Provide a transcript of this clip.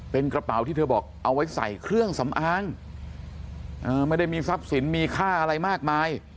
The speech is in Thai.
เป็นกระเป๋าที่เธอบอกเอาไว้ใส่เครื่องสำอางไม่ได้มีทรัพย์สินมีค่าอะไรมากมาย